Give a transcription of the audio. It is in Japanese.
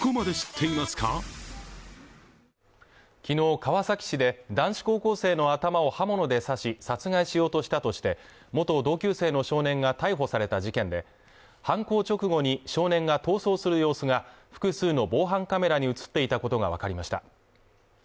川崎市で男子高校生の頭を刃物で刺し殺害しようとしたとして元同級生の少年が逮捕された事件で犯行直後に少年が逃走する様子が複数の防犯カメラに映っていたことが分かりました